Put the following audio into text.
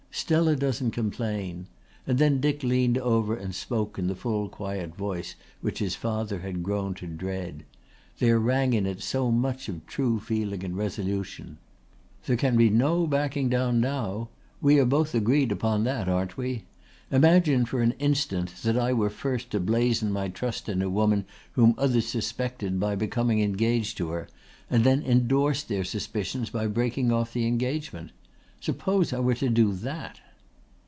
"Stella doesn't complain," and then Dick leaned over and spoke in the full quiet voice which his father had grown to dread. There rang in it so much of true feeling and resolution. "There can be no backing down now. We are both agreed upon that, aren't we? Imagine for an instant that I were first to blazon my trust in a woman whom others suspected by becoming engaged to her and then endorsed their suspicions by breaking off the engagement! Suppose that I were to do that!"